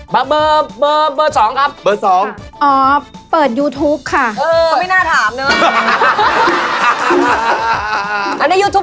เบอร์๒ครับเบอร์๒ครับ